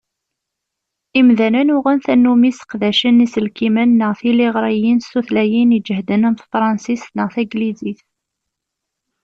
Imdanen, uɣen tannumi sseqdacen iselkimen neɣ tiliɣriyin s tutlayin iǧehden am tefransist neɣ taglizit.